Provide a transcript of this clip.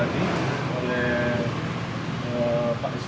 alhamdulillah seperti apa yang disampaikan tadi